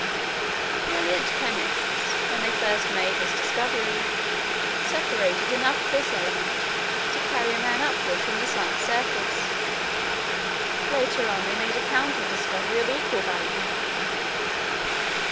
The brilliant chemists, when they first made this discovery, separated enough of this element to carry a man upward from the sun's surface. Later on they made a counter discovery of equal value.